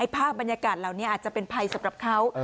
ภาพบรรยากาศเหล่านี้อาจจะเป็นภัยสำหรับเขา